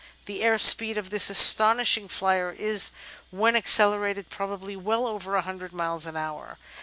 The air speed of this astonishing flyer is, when accelerated, probably well over 100 miles an hour.